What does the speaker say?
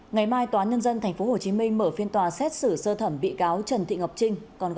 ngày mai tòa nhân dân tp hcm mở phiên tòa xét xử sơ thẩm bị cáo trần thị ngọc trinh